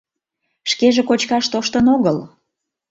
— Шкеже кочкаш тоштын огыл.